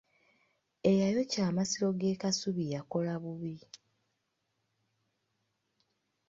Eyayokya amasiro g'e Kasubi yakola bubi.